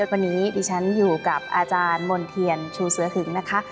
วันนี้ดิฉันอยู่กับอาจารย์มณ์เทียนชูเสือหึงนะคะ